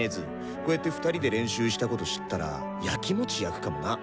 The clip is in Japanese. こうやって２人で練習したこと知ったらヤキモチやくかもな。